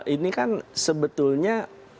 ini kan sebetulnya